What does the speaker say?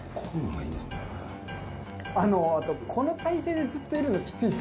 あのあとこの体勢でずっといるのきついっすね。